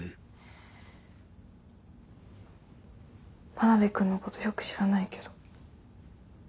真部くんのことよく知らないけど。